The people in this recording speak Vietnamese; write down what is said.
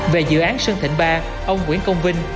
về dự án sơn thịnh ba ông nguyễn công vinh